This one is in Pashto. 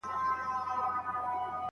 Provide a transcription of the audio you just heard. خرما مي دغي مېرمني ته ورکړه.